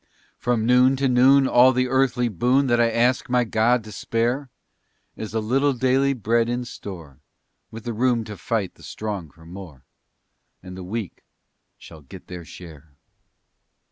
From noon to noon all the earthly boon That I ask my God to spare Is a little daily bread in store, With the room to fight the strong for more, And the weak shall get their share.